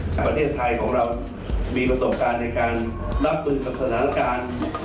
แต่ประเทศไทยของเรามีประสบการณ์ในการรับมือกับสถานการณ์